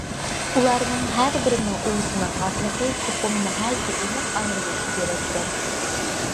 ئۇلارنىڭ ھەر بىرىنىڭ ئۇۋىسىنىڭ ئارىلىقى چوقۇم ناھايىتى ئېنىق ئايرىلىشى كېرەككەن.